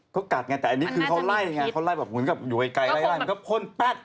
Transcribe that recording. เขากรกัดไงแต่อันนี้คือเขาไล่นี่เนี่ยเหมือนอยู่ไกลมันก็พ่นแป๊ะ